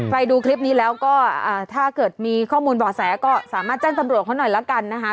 ดูคลิปนี้แล้วก็ถ้าเกิดมีข้อมูลบ่อแสก็สามารถแจ้งตำรวจเขาหน่อยละกันนะคะ